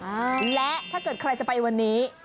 และถ้าเกิดใครจะไปวันนี้